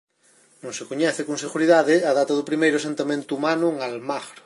Non se coñece con seguridade a data do primeiro asentamento humano en Almagro.